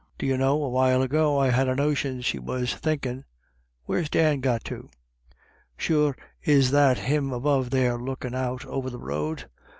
D'you know, a while ago I had a notion she was thinkin' — where's Dan got to? Sure is that him above there lookin' out over the road